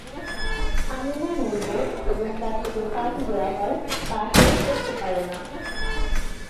আমিনা নির্বোধ এবং তাকে যে কাজ দেওয়া হয় তা সে করতে পারে না।